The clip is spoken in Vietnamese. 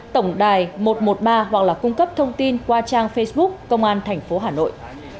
tổng đài một trăm một mươi ba hoặc là cung cấp thông tin qua trang facebook công an tp hà nội